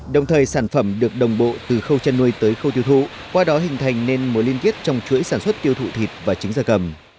đồng thời sản phẩm được đồng bộ từ khâu chăn nuôi tới khâu tiêu thụ qua đó hình thành nên mối liên kết trong chuỗi sản xuất tiêu thụ thịt và trứng gia cầm